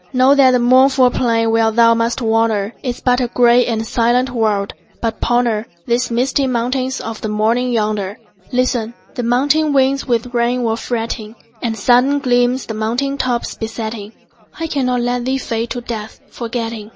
Know that the mournful plain where thou must wander Is but a gray and silent world, but ponder The misty mountains of the morning yonder. Listen: the mountain winds with rain were fretting, And sudden gleams the mountain tops besetting. I cannot let thee fade to death, forgetting.